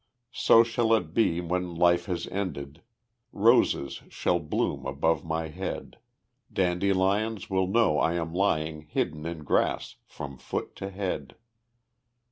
So shall it be when life has ended: Roses shall bloom above my head, Dandelions will know I am lying Hidden in grass from foot to head.